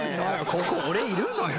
ここ俺いるのよ。